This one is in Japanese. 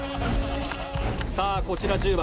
さぁこちら１０番。